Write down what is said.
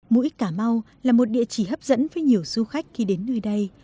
mũi cà mau là một địa chỉ hấp dẫn với nhiều du khách khi đến nơi đây